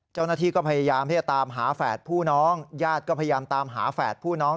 เจ้าหน้าที่ก็พยายามที่จะตามหาแฝดผู้น้องญาติก็พยายามตามหาแฝดผู้น้อง